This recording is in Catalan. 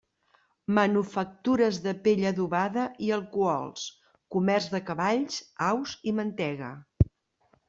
Manufactures de pell adobada i alcohols; comerç de cavalls, aus i mantega.